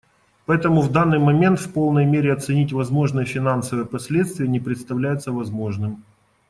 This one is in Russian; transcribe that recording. Поэтому в данный момент в полной мере оценить возможные финансовые последствия не представляется возможным.